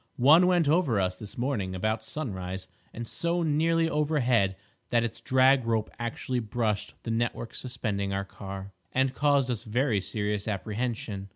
One went over us this morning about sunrise, and so nearly overhead that its drag rope actually brushed the network suspending our car, and caused us very serious apprehension.